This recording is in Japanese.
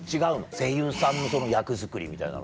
声優さんの役作りみたいなのって。